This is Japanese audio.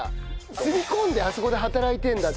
住み込んであそこで働いてるんだって。